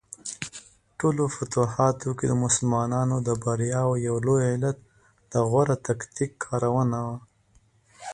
ټولو فتوحاتو کې د مسلمانانو د بریاوو یو علت د غوره تکتیک کارونه وه.